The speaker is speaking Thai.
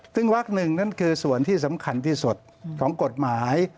ซึ่งวักหนึ่งนั้นคือส่วนที่สำคัญที่สุดของกฎหมาย